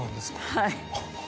はい。